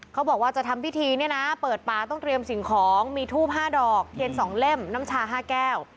เขาบอกว่าจะทำพิธีเนี่ยนะเปิดป่าต้องเตรียมสิ่งของมีทูบ๕ดอกเทียน๒เล่มน้ำชา๕แก้ว